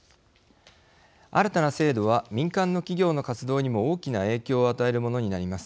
新たな制度は民間の企業の活動にも大きな影響を与えるものになります。